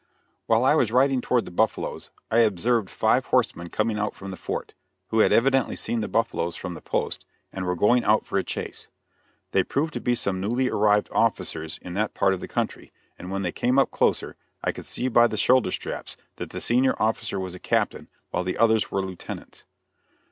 While I was riding toward the buffaloes I observed five horsemen coming out from the fort, who had evidently seen the buffaloes from the post, and were going out for a chase. They proved to be some newly arrived officers in that part of the country, and when they came up closer, I could see by the shoulder straps that the senior officer was a captain, while the others were lieutenants.